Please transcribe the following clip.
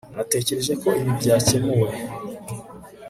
Natekereje ko ibi byakemuwe